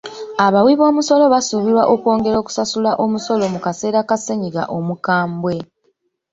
Abawi b'omusolo basuubirwa okwongera okusasula omusolo mu kaseera ka ssennyiga omukambwe.